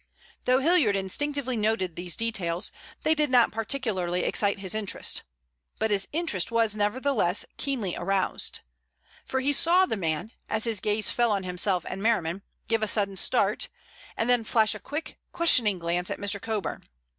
Though Hilliard instinctively noted these details, they did not particularly excite his interest. But his interest was nevertheless keenly aroused. For he saw the man, as his gaze fell on himself and Merriman, give a sudden start, and then flash a quick, questioning glance at Mr. Coburn.